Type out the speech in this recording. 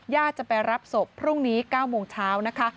จะไปรับศพพรุ่งนี้๙โมงเช้านะคะ